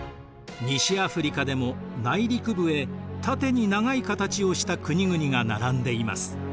西アフリカでも内陸部へ縦に長い形をした国々が並んでいます。